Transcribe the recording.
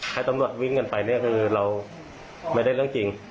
ให้ตำรวจวิ่งกันไปเนี่ยคือเราไม่ได้เรื่องจริง